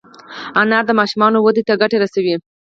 انار د ماشومانو وده ته ګټه رسوي.